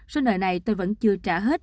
số nợ này tôi vẫn chưa trả hết